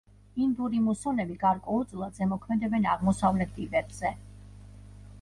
ინდური მუსონები გარკვეულწილად ზემოქმედებენ აღმოსავლეთ ტიბეტზე.